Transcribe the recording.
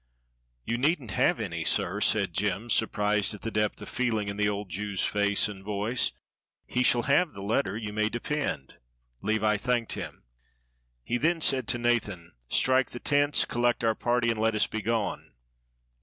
"You needn't have any, sir," said Jem, surprised at the depth of feeling in the old Jew's face and voice. "He shall have the letter, you may depend." Levi thanked him. He then said to Nathan: "Strike the tents, collect our party, and let us be gone."